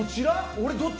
俺どっち？